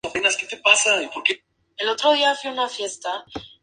Por esta acción, Hicks fue recompensado con una segunda Croix de Guerre.